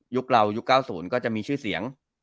เรายุค๙๐ก็จะมีชื่อเสียง